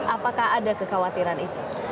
apakah ada kekhawatiran itu